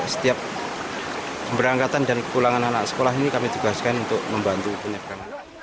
setiap pemberangkatan dan kepulangan anak sekolah ini kami tugaskan untuk membantu penyeberangan